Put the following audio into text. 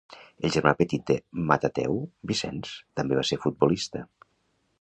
El germà petit de Matateu, Vicenç, també va ser futbolista.